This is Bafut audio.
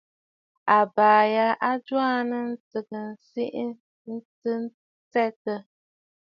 Àbàʼà ya a jwaanə ntəə tsiʼì tɨ̀ stsetə̀.